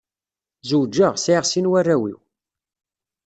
Zewǧeɣ, sɛiɣ sin warraw-iw.